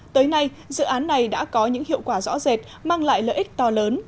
tới nay dự án này đã có những hiệu quả rõ rệt mang lại lợi ích to lớn